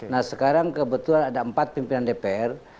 nah sekarang kebetulan ada empat pimpinan dpr